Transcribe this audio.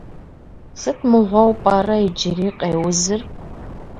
Сыт мыгъуэу пӏэрэ иджыри къеузыр?